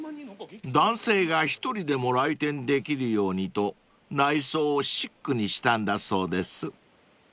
［男性が一人でも来店できるようにと内装をシックにしたんだそうです］